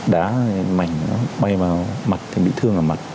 đá mảnh bay vào mặt thì bị thương vào mặt